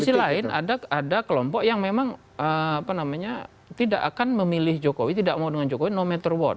di sisi lain ada kelompok yang memang tidak akan memilih jokowi tidak mau dengan jokowi no matter watt